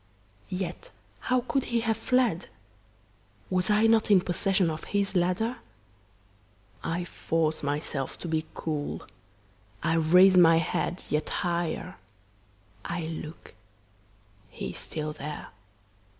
Yet how could he have fled? Was I not in possession of his ladder? I force myself to be cool. I raise my head yet higher. I look he is still there.